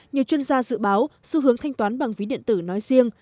nhiều chuyên gia dự báo xu hướng thanh toán bằng ví điện tử nói riêng